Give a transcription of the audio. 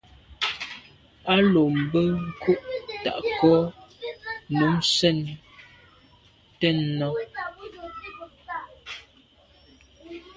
A lo mbe nkôg tàa ko’ num sen ten nà.